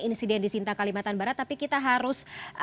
insiden di sinta kalimantan barat tapi kita harus